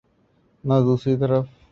نہ دوسری طرف۔